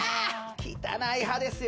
汚い歯ですよ